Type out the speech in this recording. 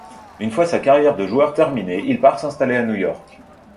Une fois sa carrière de joueur terminée, il part s'installer à New York.